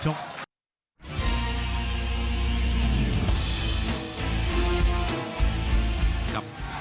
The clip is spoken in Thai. ชก